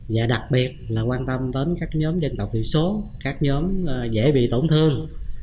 và đặc biệt là quan tâm đến các nhóm dân tộc thiểu số các nhóm dễ bị tổn thương